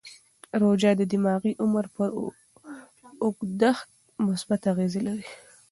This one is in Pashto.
روژه د دماغي عمر پر اوږدښت مثبت اغېز لري.